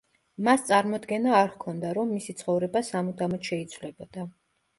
მას წარმოდგენა არ ჰქონდა რომ მისი ცხოვრება სამუდამოდ შეიცვლებოდა.